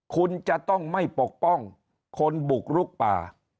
คุณจะต้องไม่ปกป้องคนบุกลุกป่า